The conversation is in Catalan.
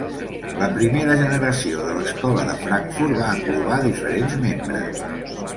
La primera generació de l'Escola de Frankfurt va englobar diferents membres.